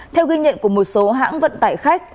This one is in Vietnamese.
theo ghi nhận của một số hãng vận tải khách